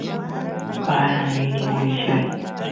paran rini willay